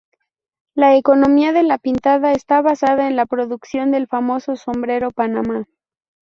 La economía de la Pintada está basada en la producción del famoso sombrero Panamá.